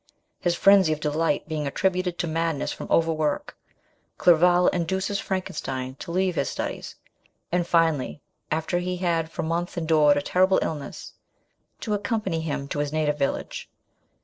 His frenzy of delight being attributed to madness from overwork, Clerval induces Frankenstein to leave his studies, and, finally (after he had for months endured a terrible ill ness), to accompany him to his native village.